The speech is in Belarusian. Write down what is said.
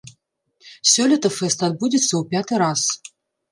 Сёлета фэст адбудзецца ў пяты раз.